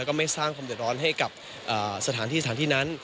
ก็ไม่สร้างความเดือดร้อนให้กับสถานที่สถานที่นั้น